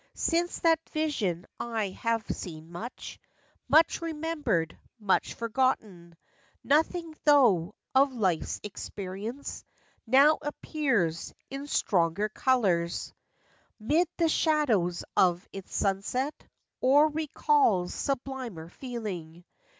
Since that vision I have seen much, Much remembered, much forgotten ; Nothing tho' of life's experience Now appears in stronger colors, FACTS AND FANCIES. 57 'Mid the shadows of its sunset, Or recalls sublimer feeling.